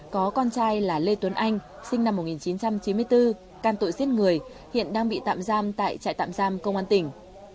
có con trai là lê tuấn anh sinh năm một nghìn chín trăm chín mươi bốn can tội giết người hiện đang bị tạm giam tại trại tạm giam công an tỉnh